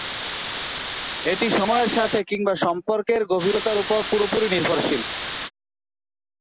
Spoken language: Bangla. এটি সময়ের সাথে কিংবা সম্পর্কের গভীরতার উপর পুরোপুরি নির্ভরশীল।